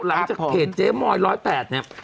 หลังจากเพจเจ๊มอย๑๐๘เนี่ย